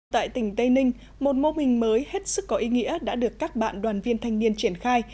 tại tỉnh tây ninh một mô hình mới hết sức có ý nghĩa đã được các bạn đoàn viên thanh niên triển khai